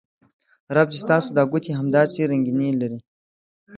رب دې ستاسو دا ګوتې همداسې رنګینې لرې